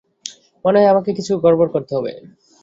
মনে হয় আমাকে কিছু গড়বড় করতে হবে।